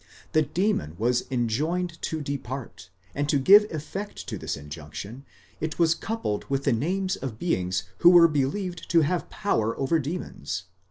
The demon was enjoined to depart ; and to give effect to this injunction, it was. coupled with the names of beings who were believed to have power over demons.